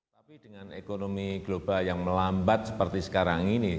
tapi dengan ekonomi global yang melambat seperti sekarang ini